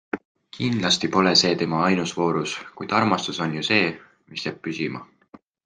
Kindlasti pole see tema ainus voorus, kuid armastus on ju see, mis jääb püsima.